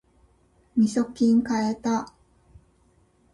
みそきん買えた